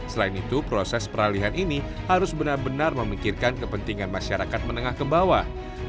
selain itu proses peralihan ini harus benar benar memikirkan kepentingan masyarakat menengah ke bawah